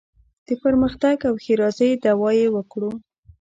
د پرمختګ او ښېرازۍ دعوا یې وکړو.